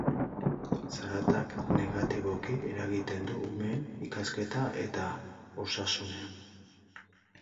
Zaratak negatiboki eragiten du umeen ikasketa eta osasunean.